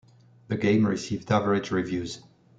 The game received average reviews.